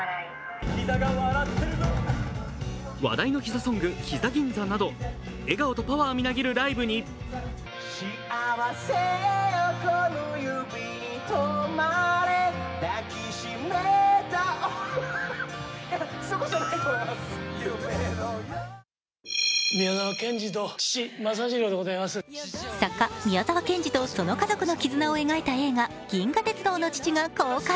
話題の膝ソング「膝銀座」など、笑顔とパワーみなぎるライブに作家・宮沢賢治とその家族の絆を描いた映画「銀河鉄道の父」が公開。